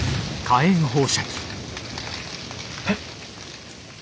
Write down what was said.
えっ？